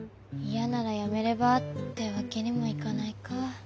嫌ならやめればってわけにもいかないか。